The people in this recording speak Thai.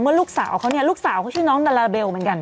ลูกสาวเขาเนี่ยลูกสาวเขาชื่อน้องดาลาลาเบลเหมือนกัน